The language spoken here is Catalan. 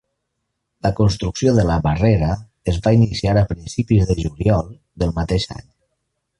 La construcció de la barrera es va iniciar a principis de juliol del mateix any.